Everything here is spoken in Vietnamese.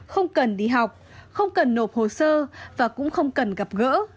không cần đi học không cần nộp hồ sơ và cũng không cần gặp gỡ